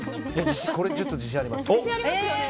これ、ちょっと自信あります。